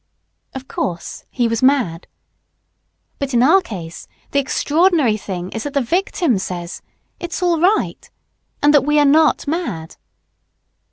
Of course he was mad. But in our case, the extraordinary thing is that the victim says, "It's all right," and that we are not mad.